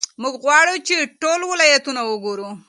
موږ غواړو چې ټول ولایتونه وګورو.